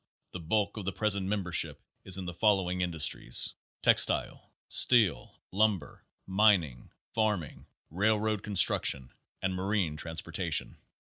The bulk of the present membership is in the following industries: Textile, steel, lumber, mining, farming, railroad construction and marine transportaton.